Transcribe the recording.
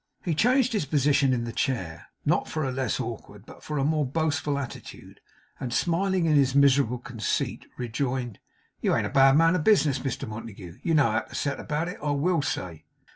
He changed his position in the chair, not for a less awkward, but for a more boastful attitude; and smiling in his miserable conceit rejoined: 'You an't a bad man of business, Mr Montague. You know how to set about it, I WILL say.